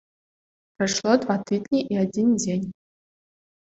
Прайшло два тыдні і адзін дзень.